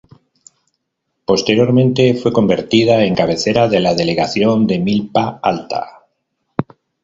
Posteriormente fue convertida en cabecera de la delegación de Milpa Alta.